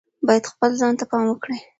باید خپل ځان ته پام وکړي.